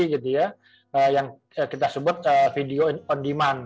yang kita sebut video on demand